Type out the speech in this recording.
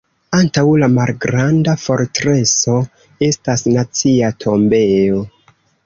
Antaŭ La malgranda fortreso estas Nacia tombejo.